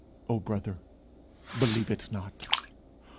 O brother, believe it not.